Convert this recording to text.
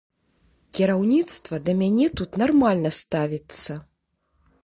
Кіраўніцтва да мяне тут нармальна ставіцца.